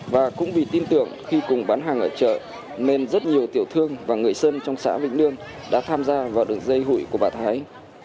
và cũng vì tin tưởng khi cùng bán hàng ở chợ nên rất nhiều tiểu thương và người dân trong xã vĩnh lương đã tham gia vào đường dây hụi của bà thái